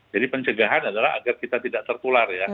jadi pencegahan adalah agar kita tidak tertular ya